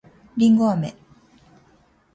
りんごあめ